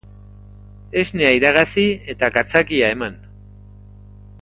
Esnea iragazi eta gatzagia eman.